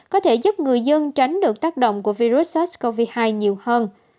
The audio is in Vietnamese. có thể giúp người dân tránh được tác động của virus sars cov hai nhiều hơn